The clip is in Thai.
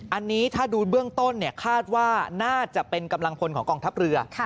อันนี้ถ้าดูเบื้องต้นคาดว่าน่าจะเป็นกำลังพลของกองทัพเรือ